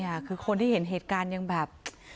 ค่ะคือคนที่เห็นเหตุการณ์ยังแบบ